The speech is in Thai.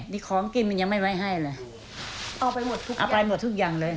นี่ของกินมันยังไม่ไว้ให้เลยเอาไปหมดทุกเอาไปหมดทุกอย่างเลย